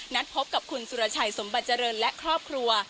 พบกับคุณสุรชัยสมบัติเจริญและครอบครัว